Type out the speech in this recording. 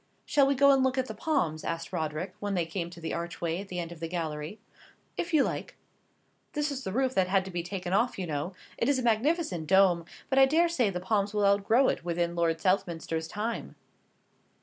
"Shall we go and look at the palms?" asked Roderick, when they came to the archway at the end of the gallery. "If you like." "This was the roof that had to be taken off, you know. It is a magnificent dome, but I daresay the palms will outgrow it within Lord Southminster's time."